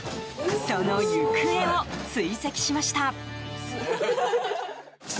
その行方を追跡しました。